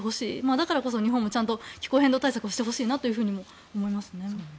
だからこそ日本もちゃんと気候変動対策をしてほしいなと思いますね。